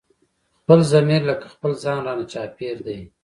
خپل ضمير لکه خپل ځان رانه چاپېر دی